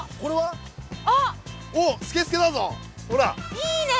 いいねえ！